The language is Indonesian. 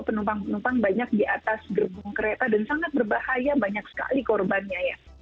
penumpang penumpang banyak di atas gerbong kereta dan sangat berbahaya banyak sekali korbannya ya